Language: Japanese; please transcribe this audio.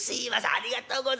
ありがとうございます。